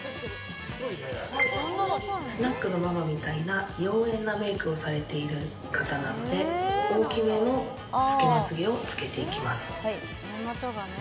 スナックのママみたいな妖艶なメイクをされている方なので大きめの、つけまつげをつけていきます。